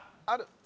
ある！